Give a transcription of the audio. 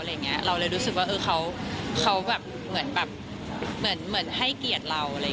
เราเลยรู้สึกว่าเขาเหมือนให้เกียรติเรา